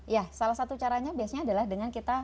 ya salah satu caranya biasanya adalah dengan kita